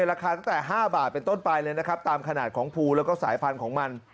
ราคาตั้งแต่๕บาทเป็นต้นไปเลยนะครับตามขนาดของภูแล้วก็สายพันธุ์ของมัน